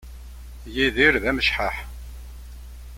Yidir d amecḥaḥ